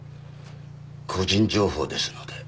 個人情報ですので。